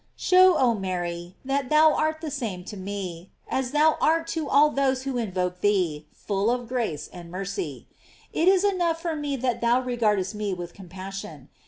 Show, oh Mary! that thou art the same to me as thou art to all those who invoke thee, full of grace and mercy. It is enough for me that thou regardest me with compassion).